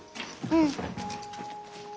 うん。